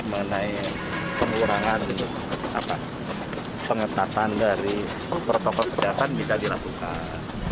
mengenai pengurangan pengetatan dari protokol kesehatan bisa dilakukan